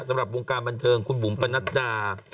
สำหรับวงการบันเทิงคุณบุ๋มปนัดดา